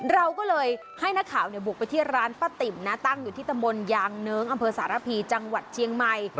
เราก็เลยให้นักข่าวบุกไปที่ร้านป้าติ๋มนะตั้งอยู่ที่ตำบลยางเนิ้งอำเภอสารพีจังหวัดเชียงใหม่